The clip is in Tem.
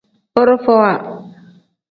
Borofowa.